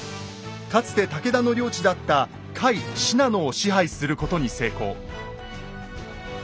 かつて武田の領地だった甲斐信濃を支配することに成功。